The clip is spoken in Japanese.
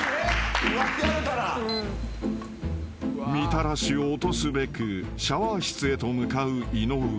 ［みたらしを落とすべくシャワー室へと向かう井上］